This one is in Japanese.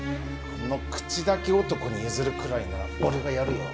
あの口だけ男に譲るくらいなら俺がやるよ